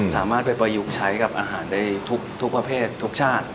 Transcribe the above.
สามารถไปประยุกต์ใช้กับอาหารได้ทุกประเภททุกชาติ